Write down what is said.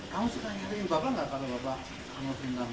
kamu suka nyariin bapak nggak kalau bapak mau mencari tamu